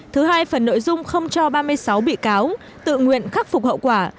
thứ hai phần nội dung không cho ba mươi sáu bị cáo tự nguyện khắc phục hậu quả